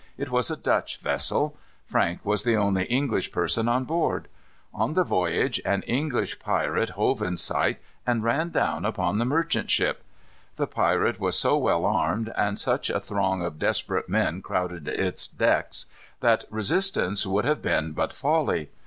It was a Dutch vessel. Frank was the only English person on board. On the voyage, an English pirate hove in sight and ran down upon the merchant ship. The pirate was so well armed, and such a throng of desperate men crowded its decks, that resistance would have been but folly.